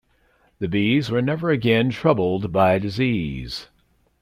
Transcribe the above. The bees were never again troubled by disease.